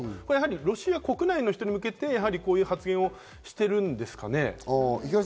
ロシア国内の人に向けてこういう発言をしているんですかね？